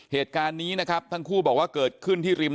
เหตุการณ์นี้นะครับทั้งคู่บอกว่าเกิดขึ้นที่ริม